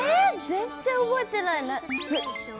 全然覚えてない。